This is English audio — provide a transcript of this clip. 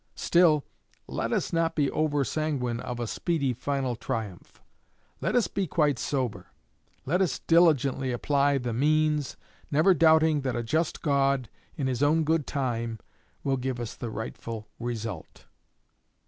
Still, let us not be over sanguine of a speedy final triumph. Let us be quite sober. Let us diligently apply the means, never doubting that a just God, in His own good time, will give us the rightful result.